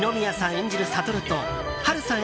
演じる悟と波瑠さん